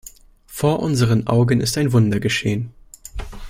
Vor unseren Augen ist ein Wunder geschehen.